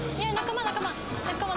仲間仲間。